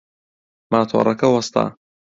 ماتۆڕەکە وەستا.